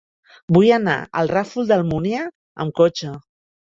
Vull anar al Ràfol d'Almúnia amb cotxe.